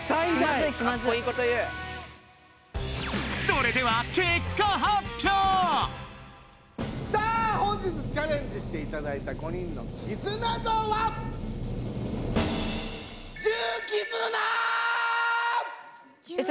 それではさあ本日チャレンジしていただいたえ